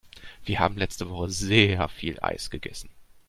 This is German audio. Wir haben letzte Woche sehr viel Eis gegessen.